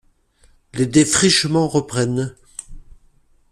Les défrichements reprennent.